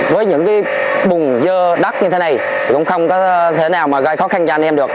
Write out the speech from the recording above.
với những cái bùng dơ đắt như thế này cũng không có thế nào mà gây khó khăn cho anh em được